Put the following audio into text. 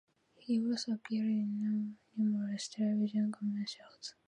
He also appeared in numerous television commercials.